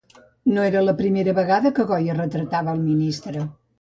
No era la primera vegada que Goya retratava el ministre.